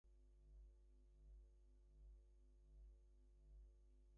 People of different Kazakh tribes had the golden eagle on their flags for centuries.